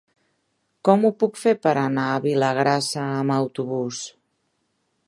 Com ho puc fer per anar a Vilagrassa amb autobús?